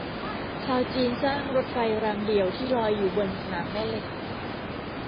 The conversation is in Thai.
ชาวจีนสร้างรถไฟรางเดี่ยวที่ลอยอยู่บนสนามแม่เหล็ก